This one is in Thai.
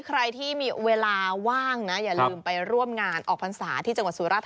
ใครที่มีเวลาว่างนะอย่าลืมไปร่วมงานออกพรรษาที่จังหวัดสุรธา